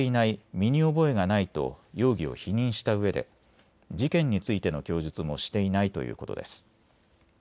身に覚えがないと容疑を否認したうえで事件についての供述もしていないということです。